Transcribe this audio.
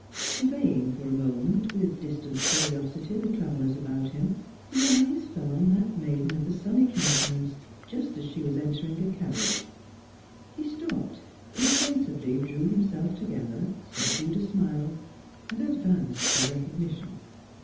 Surveying for a moment, with distant curiosity, the travellers about him, his eye fell upon that maiden of the sunny countenance just as she was entering a carriage; he stopped, insensibly drew himself together, subdued a smile, and advanced for recognition.